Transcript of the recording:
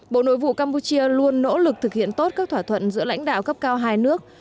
bộ nội vụ campuchia luôn nỗ lực thực hiện tốt các thỏa thuận giữa lãnh đạo cấp cao hai nước